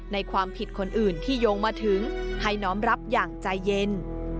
ในความผิดคนอื่นที่โยงมาถึงให้น้อมรับอย่างใจเย็น